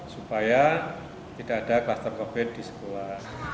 supaya tidak ada kluster covid di sekolah